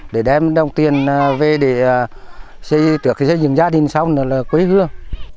để đem đồng tiền về để xây dựng gia đình xong là quý gương